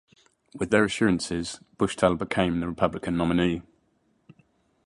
With their assurances, Buchtel became the Republican nominee.